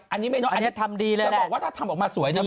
อันนี้ไม่น้อยอันนี้ทำดีเลยจะบอกว่าถ้าทำออกมาสวยเนี่ย